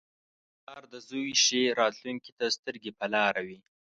• پلار د زوی ښې راتلونکې ته سترګې په لاره وي.